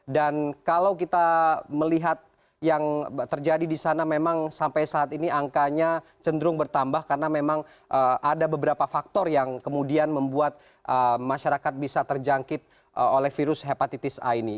dan kalau kita melihat yang terjadi di sana memang sampai saat ini angkanya cenderung bertambah karena memang ada beberapa faktor yang kemudian membuat masyarakat bisa terjangkit oleh virus hepatitis a ini